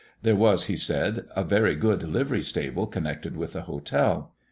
There was, he said, a very good livery stable connected with the hotel.